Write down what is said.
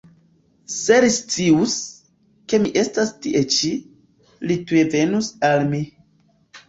Se li scius, ke mi estas tie ĉi, li tuj venus al mi.